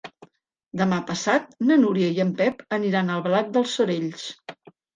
Demà passat na Núria i en Pep aniran a Albalat dels Sorells.